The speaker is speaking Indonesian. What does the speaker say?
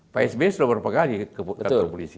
pak s b sudah berapa kali ke kantor polisi